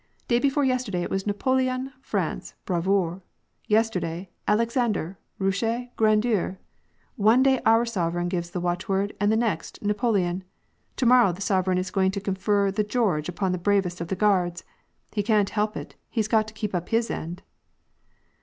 " Day before yesterday, it was * Napoleofiy France, bravQure I ' yesterday, ' Alexandre, Russie, grandeur '; one day our sovereign gives the watchword ; and the next, Napoleon. To morrow the sovereign is going to confer the Geoi^ on the bravest of the Guards. He can't help it. He's got to keep up his end